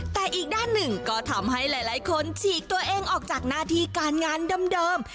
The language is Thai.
แต่อีกด้านหนึ่งก็ทำให้หลายคนฉีกตัวเองออกจากหน้าที่การงานเดิม